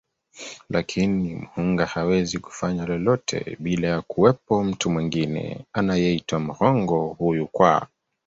Lakini Muhunga hawezi kufanya lolote bila ya kuwepo mtu mwingine anayeitwa Mghongo huyu kwa